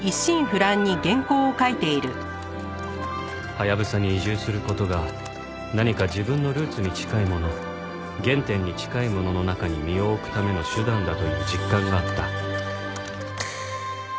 ハヤブサに移住する事が何か自分のルーツに近いもの原点に近いものの中に身を置くための手段だという実感があった